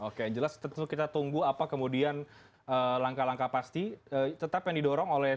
oke jelas tentu kita tunggu apa kemudian langkah langkah pasti tetap yang didorong oleh